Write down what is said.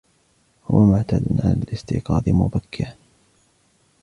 هو معتاد على الاستيقاظ مبكرا.